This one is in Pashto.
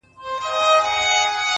اوس مي لا په هر رگ كي خـوره نـــه ده ـ